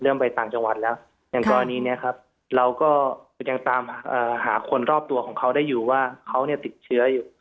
ไปต่างจังหวัดแล้วอย่างกรณีนี้ครับเราก็ยังตามหาคนรอบตัวของเขาได้อยู่ว่าเขาเนี่ยติดเชื้ออยู่